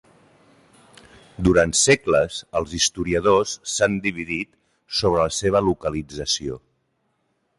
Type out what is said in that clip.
Durant segles els historiadors s'han dividit sobre la seva localització.